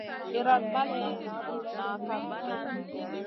Iyran balley nah kam miguè.